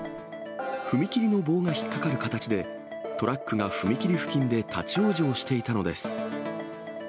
踏切の棒が引っ掛かる形で、トラックが踏切付近で立往生していたのです。